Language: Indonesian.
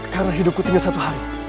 karena hidupku tinggal satu hari